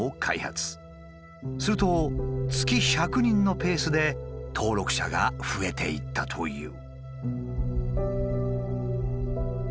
すると月１００人のペースで登録者が増えていったという。